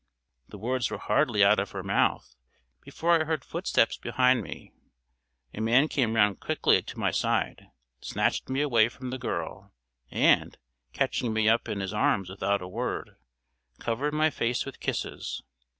The words were hardly out of her mouth before I heard footsteps behind me a man came round quickly to my side, snatched me away from the girl, and, catching me up in his arms without a word, covered my face with kisses.